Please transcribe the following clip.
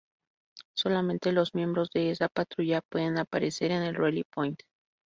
Solamente los miembros de esa patrulla pueden aparecer en el Rally Point.